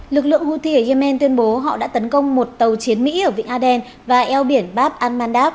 lực lượng houthi ở yemen tuyên bố họ đã tấn công một tàu chiến mỹ ở vịnh aden và eo biển bab al mandab